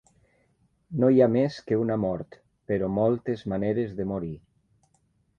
No hi ha més que una mort, però moltes maneres de morir.